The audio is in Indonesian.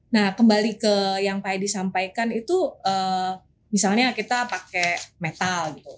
nah kembali ke yang pak edi sampaikan itu misalnya kita pakai metal gitu